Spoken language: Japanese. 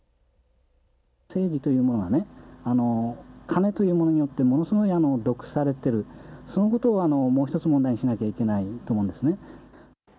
政治というものはね金というものによってものすごい毒されているそのことをもう一つ問題にしないといけないと思うんですね。